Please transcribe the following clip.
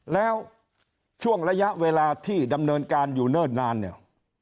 แล้วช่วงระยะเวลาที่ดำเนินการอยู่เนิ่นนานเนี่ย